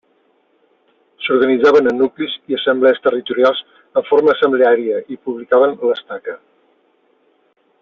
S'organitzaven en nuclis i assemblees territorials de forma assembleària i publicaven l'Estaca.